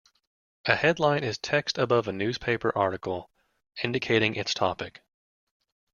A headline is text above a newspaper article, indicating its topic.